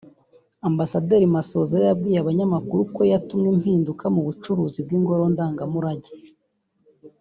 Ambasaderi Masozera yabwiye Abanyamakuru ko yatumwe impinduka mu bucuruzi bw’Ingoro Ndangamurage